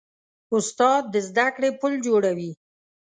استاد د زدهکړې پل جوړوي.